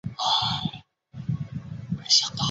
此列表延伸至友好城市列表法国。